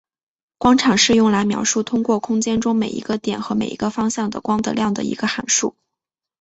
光场是用来描述通过空间中每一个点和每一个方向的光的量的一个函数。